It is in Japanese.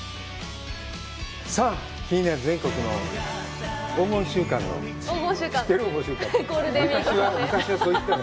さあ気になる全国の、黄金週間知ってる？